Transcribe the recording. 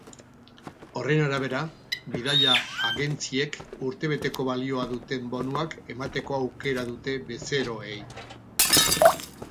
Horren arabera, bidaia-agentziek urtebeko balioa duten bonuak emateko aukera dute bezeroei.